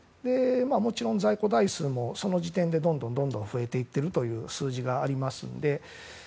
もちろん、在庫台数もその時点でどんどん増えていったという数字がありますので。